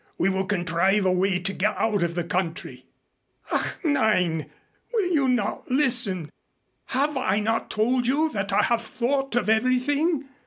We will contrive a way to get out of the country." "Ach, nein! Will you not listen? Have I not told you that I have thought of everything?